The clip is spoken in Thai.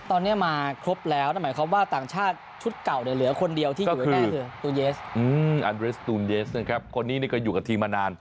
ตอนเนี่ยมาครบแล้วหมายความว่าต่างชาติชุดเก่าเหลือคนเดียวที่อยู่แน่คืออันเรสตูนเยสคนนี้ก็อยู่กับทีมมานาน